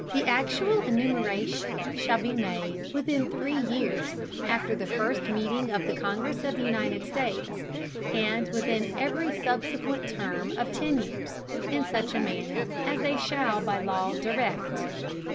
The actual Enumeration shall be made within three Years after the first Meeting of the Congress of the United States, and within every subsequent Term of ten Years, in such Manner as they shall by Law direct.